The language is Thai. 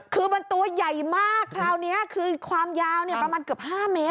คือมันตัวใหญ่มากคราวนี้คือความยาวประมาณเกือบ๕เมตร